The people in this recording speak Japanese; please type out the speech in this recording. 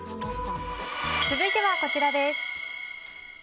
続いてはこちらです。